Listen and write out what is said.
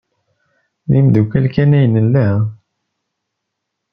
D imeddukal kan ay nella?